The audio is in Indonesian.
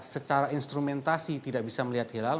secara instrumentasi tidak bisa melihat hilal